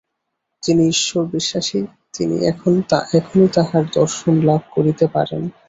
যিনি ঈশ্বরবিশ্বাসী, তিনি এখনই তাঁহার দর্শন লাভ করিতে পারেন।